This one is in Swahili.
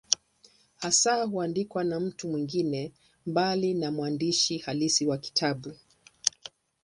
Hasa huandikwa na mtu mwingine, mbali na mwandishi halisi wa kitabu.